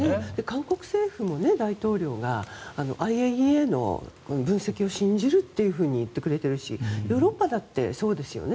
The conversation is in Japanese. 韓国政府も大統領がＩＡＥＡの分析を信じると言ってくれているしヨーロッパもそうですね。